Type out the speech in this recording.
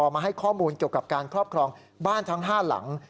มาให้ข้อมูลเกี่ยวกับการครอบครองบ้านทั้ง๕หลัง